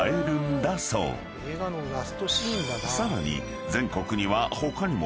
［さらに］